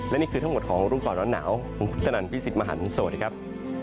และนี่คือทั้งหมดของรุ่นปล่อนร้อนหนาวของคุณคุณจนั่นพี่สิทธิ์มหันศ์สวัสดีครับ